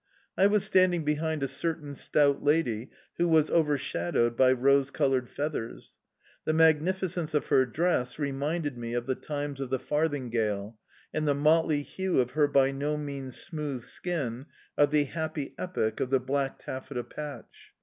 I was standing behind a certain stout lady who was overshadowed by rose coloured feathers. The magnificence of her dress reminded me of the times of the farthingale, and the motley hue of her by no means smooth skin, of the happy epoch of the black taffeta patch.